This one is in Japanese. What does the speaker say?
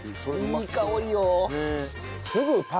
いい香りよ。